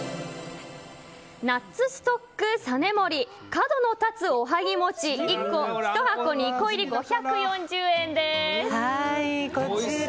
ナッツストック実森角の立つおはぎもち１箱２個入り５４０円です。